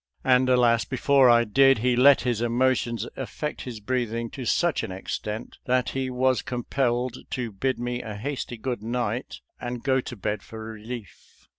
And alas, before I did, he let his emotions affect his breathing to such an extent that he was com pelled to bid me a hasty good night and go to bed for relief.